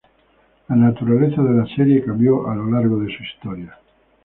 La naturaleza de la serie cambió a lo largo de su historia.